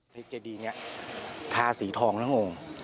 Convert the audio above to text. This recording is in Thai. เจดีนี้ทาสีทองทั้งองค์